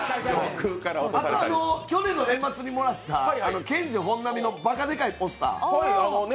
あと、去年の年末にもらったケンジ・ホンナミのばかでかいポスター。